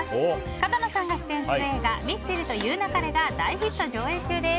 角野さんが出演する映画「ミステリと言う勿れ」が大ヒット上映中です。